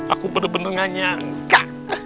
aku bener bener gak nyangka